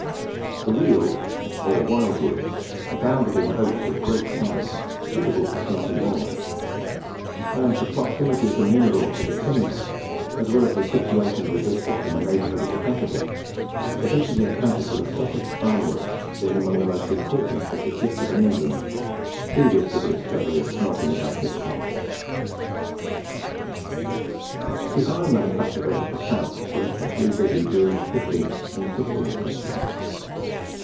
The Weald, or wild wood, abounded in oaks of great size, suitable for smelting ore; and the proximity of the mineral to the timber, as well as the situation of the district in the neighbourhood of the capital, sufficiently account for the Sussex iron works being among the most important which existed in England previous to the discovery of smelting by pit coal. The iron manufacturers of the south were especially busy during the fifteenth and sixteenth centuries.